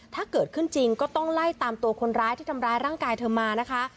ถ้าเกิดขึ้นจริงก็ต้องไล่ตามตัวคนร้ายที่ทำร้ายร่างกายเธอมานะคะ